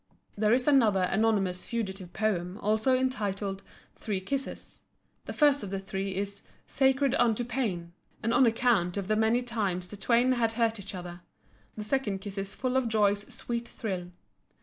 There is another anonymous fugitive poem also entitled "Three Kisses." The first of the three is "sacred unto pain," and on account of the many times the twain had hurt each other. The second kiss is full of joy's sweet thrill.